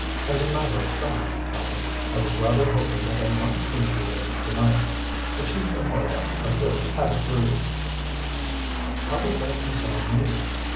As a matter of fact, Tallente, I was rather hoping that I might meet you here to night. The chief and Horlock appear to have had a breeze." "How does that concern me?"